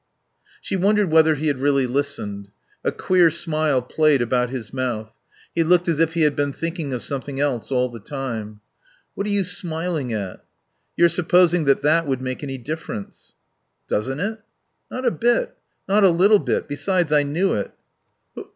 She wondered whether he had really listened. A queer smile played about his mouth. He looked as if he had been thinking of something else all the time. "What are you smiling at?" "Your supposing that that would make any difference." "Doesn't it?" "Not a bit. Not a little bit.... Besides I knew it."